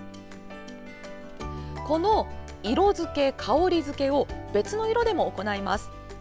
この色づけ、香りづけを別の色でも行います。